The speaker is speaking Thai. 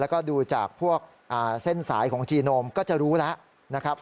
แล้วก็ดูจากเส้นสายของจีโนมก็จะรู้แล้ว